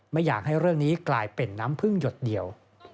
ไม่อยากให้เรื่องนี้กลายเป็นน้ำพึ่งหยดเดียว